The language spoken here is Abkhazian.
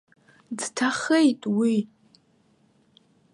Дҭахеит уи.